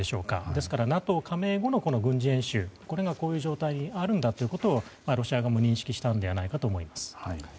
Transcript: ですからＮＡＴＯ加盟後の軍事演習がこういう状態にあるんだということをロシア側も認識したのではないかと思います。